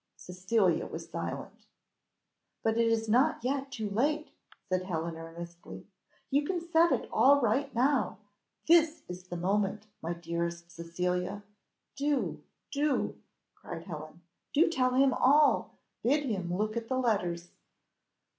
Cecilia was silent. "But it is not yet too late," said Helen, earnestly; "you can set it all right now this is the moment, my dearest Cecilia. Do, do," cried Helen, "do tell him all bid him look at the letters."